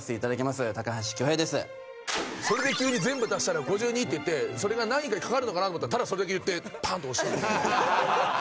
それで急に全部足したら５２って言ってそれが何かにかかるのかなと思ったらただそれだけ言ってパンと押したんで。